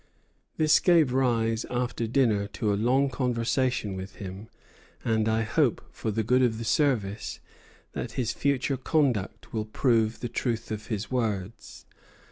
"This gave rise after dinner to a long conversation with him; and I hope for the good of the service that his future conduct will prove the truth of his words.